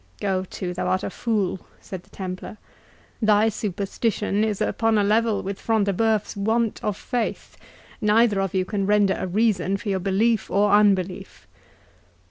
"Go to—thou art a fool," said the Templar; "thy superstition is upon a level with Front de Bœuf's want of faith; neither of you can render a reason for your belief or unbelief."